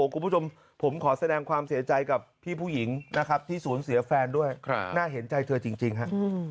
คุณผู้ชมผมขอแสดงความเสียใจกับพี่ผู้หญิงนะครับที่ศูนย์เสียแฟนด้วยน่าเห็นใจเธอจริงฮะ